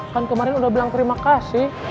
kan kemarin udah bilang terima kasih